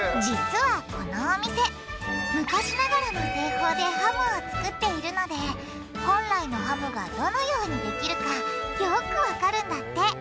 実はこのお店昔ながらの製法でハムを作っているので本来のハムがどのようにできるかよくわかるんだって。